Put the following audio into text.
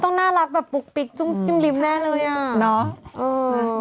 ต้องน่ารักบุกปิกจุ้งจิ้มลิ้มแน่เลย